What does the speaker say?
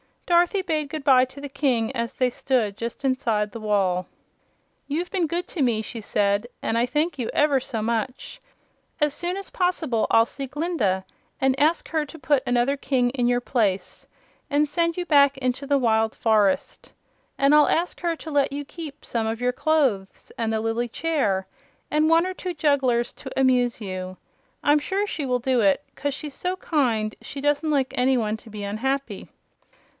Dorothy bade good bye to the King as they stood just inside the wall. "You've been good to me," she said, "and I thank you ever so much. As soon as poss'ble I'll see Glinda and ask her to put another King in your place and send you back into the wild forest. And I'll ask her to let you keep some of your clothes and the lily chair and one or two jugglers to amuse you. I'm sure she will do it, 'cause she's so kind she doesn't like any one to be unhappy."